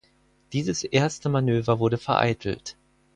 Dieses erste Manöver wurde vereitelt.